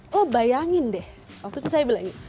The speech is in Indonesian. lo bayangin deh waktu itu saya bilang